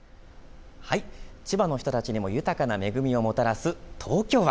千葉の人たちにも豊かな恵みをもたらす東京湾。